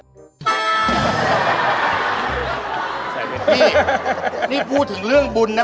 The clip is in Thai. พี่นี่พูดถึงเรื่องบุญนะ